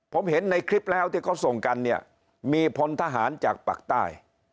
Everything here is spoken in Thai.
ผมเห็นในคลิปแล้วที่เขาส่งกันเนี่ยมีพลทหารจากปากใต้